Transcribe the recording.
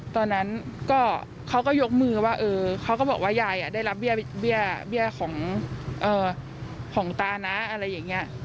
ตอนนั้นก็เขาก็ยกมือว่าเขาก็บอกว่ายายได้รับเบี้ยของตานะอะไรอย่างนี้